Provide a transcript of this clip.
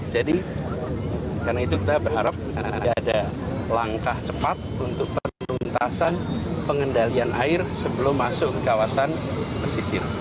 jadi karena itu kita berharap ada langkah cepat untuk penuntasan pengendalian air sebelum masuk ke kawasan pesisir